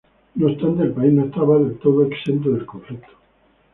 No obstante el país no estaba del todo exento del conflicto.